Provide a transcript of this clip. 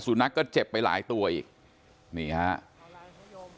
สุนัขก็เจ็บไปหลายตัวอีก